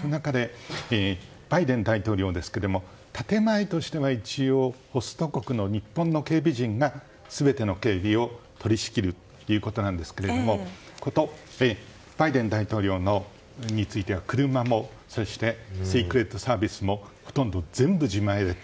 その中で、バイデン大統領ですが建前としては一応ホスト国の日本の警備陣が全ての警備を取り仕切るということなんですがことバイデン大統領については車もそしてシークレットサービスもほとんど全部自前でと。